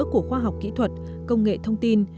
của khoa học kỹ thuật công nghệ thông tin